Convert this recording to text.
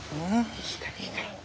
いいからいいから。